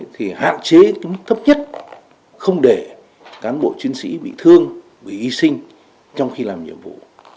thì hạn chế đến mức thấp nhất không để cán bộ chiến sĩ bị thương bị hy sinh trong khi làm nhiệm vụ